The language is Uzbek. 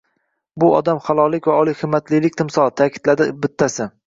Bu odam halollik va oliyhimmatlilik timsoli, ta`kidladi bittasi